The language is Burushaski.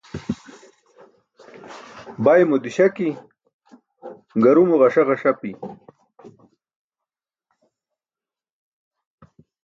Baymo diśaki, garumo ġasa ġasapi.